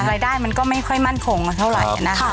รายได้มันก็ไม่ค่อยมั่นคงเท่าไหร่นะ